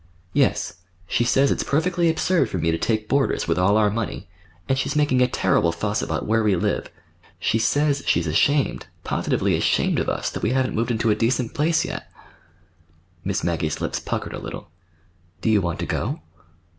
"Yes. She says it's perfectly absurd for me to take boarders, with all our money; and she's making a terrible fuss about where we live. She says she's ashamed—positively ashamed of us—that we haven't moved into a decent place yet." Miss Maggie's lips puckered a little. "Do you want to go?"